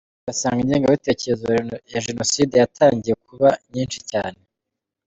Ugasanga ingengabitekerezo ya Jenoside yatangiye kuba nyinshi cyane.